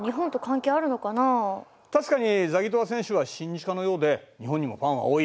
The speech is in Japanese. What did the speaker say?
確かにザギトワ選手は親日家のようで日本にもファンは多い。